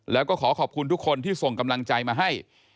แล้วก็ขอขอบคุณทุกคนที่ส่งกำลังใจมาให้